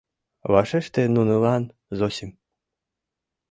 Вашеште нунылан, Зосим.